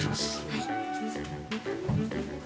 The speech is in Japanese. はい。